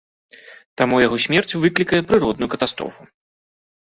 Таму яго смерць выклікае прыродную катастрофу.